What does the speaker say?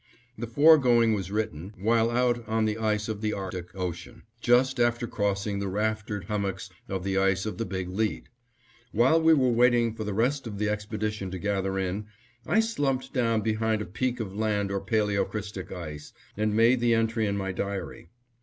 The foregoing was written while out on the ice of the Arctic Ocean, just after crossing the raftered hummocks of the ice of the Big Lead. While we were waiting for the rest of the expedition to gather in, I slumped down behind a peak of land or paleocrystic ice, and made the entry in my diary.